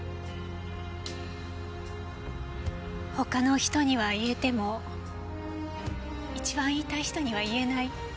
他の人には言えても一番言いたい人には言えない。